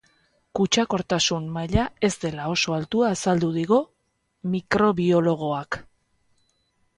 Kutsakortasun maila ez dela oso altua azaldu digu mikrobiologoak.